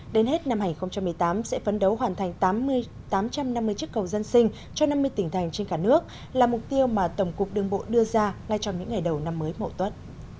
đến hết năm hai nghìn một mươi tám sẽ phấn đấu hoàn thành tám trăm năm mươi chiếc cầu dân sinh cho năm mươi tỉnh thành trên cả nước là mục tiêu mà tổng cục đường bộ đưa ra ngay trong những ngày đầu năm mới mộ tuất